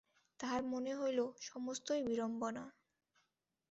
তাহার মনে হইল সমস্তই বিড়ম্বনা।